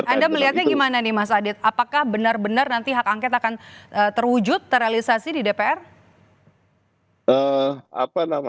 anda melihatnya gimana nih mas adit apakah benar benar nanti hak angket akan terwujud terrealisasi di dpr